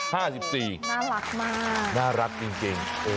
น่ารักมากน่ารักจริง